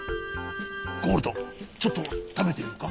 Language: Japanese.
ゴールドちょっとたべてみるか？